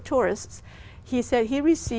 tôi có thể nói rằng